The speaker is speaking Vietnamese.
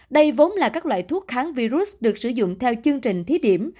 đây vốn là các loại thuốc kháng virus được sử dụng theo chương trình thí điểm